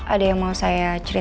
ada yang mau saya ceritakan